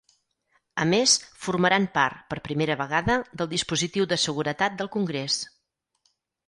A més, formaran part, per primera vegada, del dispositiu de seguretat del congrés.